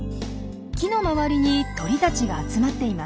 木の周りに鳥たちが集まっています。